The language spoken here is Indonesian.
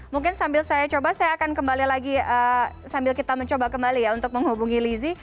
mungkin sambil saya coba saya akan kembali lagi sambil kita mencoba kembali ya untuk menghubungi lizzie